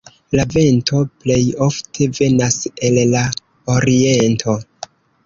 La vento plej ofte venas el la oriento.